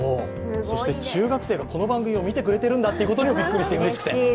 そして中学生がこの番組を見てくれてるということにもびっくりして。